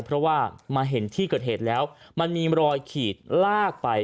เพราะว่ามาเห็นที่เกิดเหตุแล้วมันมีรอยขีดลากไป